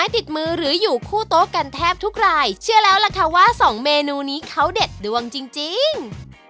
ติดมือหรืออยู่คู่โต๊ะกันแทบทุกรายเชื่อแล้วล่ะค่ะว่าสองเมนูนี้เขาเด็ดดวงจริงจริง